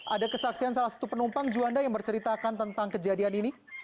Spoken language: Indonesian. ada kesaksian salah satu penumpang juanda yang berceritakan tentang kejadian ini